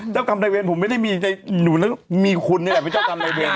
เจ้ากรรมนายเวรผมไม่ได้มีในหนูแล้วมีคุณเนี่ย